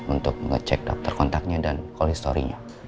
untuk ngecek daftar kontaknya dan kol history nya